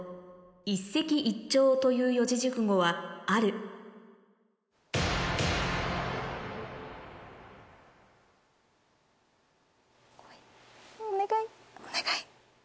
「一石一鳥」という四字熟語はある来いお願い。